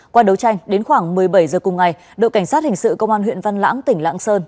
qua đấu tranh đến khoảng một mươi bảy h cùng ngày đội cảnh sát hình sự công an huyện văn lãng tỉnh lạng sơn